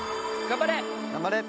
頑張れ！